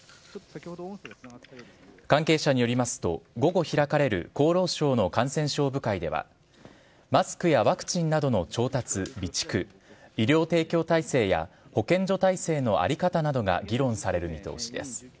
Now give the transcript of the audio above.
関係者によりますと、午後開かれる厚労省の感染症部会では、マスクやワクチンなどの調達、備蓄、医療提供体制や保健所体制の在り方などが議論される見通しです。